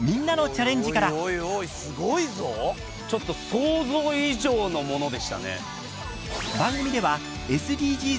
ちょっと想像以上のものでしたね。